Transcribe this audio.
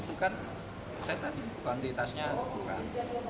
itu kan saya tadi kuantitasnya bukan